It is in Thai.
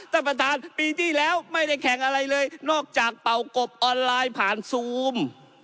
ท่านประธานปีที่แล้วไม่ได้แข่งอะไรเลยนอกจากเป่ากบออนไลน์ผ่านซูม